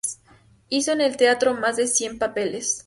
Hizo en ese teatro más de cien papeles.